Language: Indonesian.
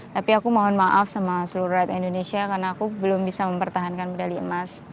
tapi aku mohon maaf sama seluruh rakyat indonesia karena aku belum bisa mempertahankan medali emas